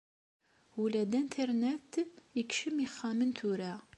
Ula d internet ikcem ixxamen tura.